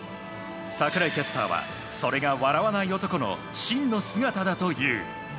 櫻井キャスターはそれが笑わない男の真の姿だという。